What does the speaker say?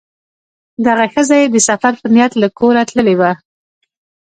دغه ښځه یې د سفر په نیت له کوره تللې وه.